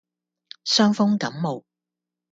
傷風感冒